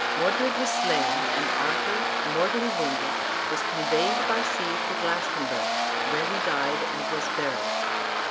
Modred was slain, and Arthur, mortally wounded, was conveyed by sea to Glastonbury, where he died, and was buried.